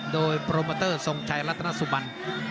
โดยโปรโมเตอร์ทรงชัยรัฐนสุบัน